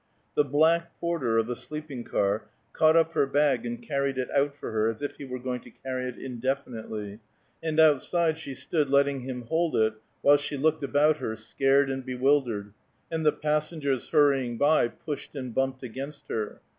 The black porter of the sleeping ear caught up her bag and carried it out for her, as if he were going to carry it indefinitely; and outside she stood letting him hold it, while she looked about her, scared and bewildered, and the passengers hurrying by, pushed and bumped against her.